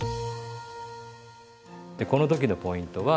でこの時のポイントは。